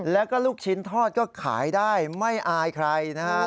แล้วก็ลูกชิ้นทอดก็ขายได้ไม่อายใครนะครับ